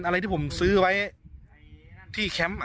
อะไรที่ผมซื้อไว้ที่แคมป์